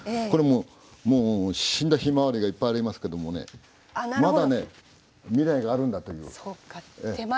これもう死んだヒマワリがいっぱいありますけどもねまだね未来があるんだという。